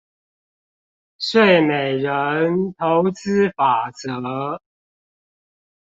睡美人投資法則